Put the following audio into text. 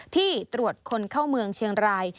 ที่ตรวจคนเข้าเมืองเชียงราย